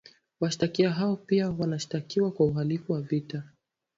washtakiwa hao pia wanashtakiwa kwa uhalifu wa vita